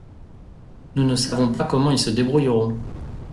Nous ne savons pas comment ils se débrouilleront.